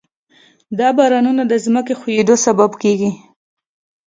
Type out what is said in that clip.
دا بارانونه د ځمکې ښویېدو سبب کېږي.